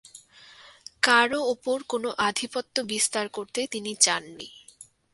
কারও ওপর কোন আধিপত্য বিস্তার করতে তিনি চাননি।